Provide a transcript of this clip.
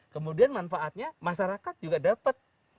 kemudian manfaatnya masyarakat juga dapat